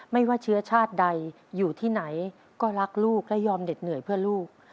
ไม่ว่าเชื้อชาติใดอยู่ที่ไหนก็รักลูกและยอมเหน็ดเหนื่อยเพื่อลูก